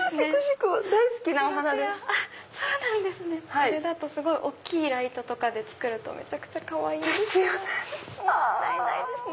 これすごい大きいライトで作るとめちゃくちゃかわいいんです。ですよね。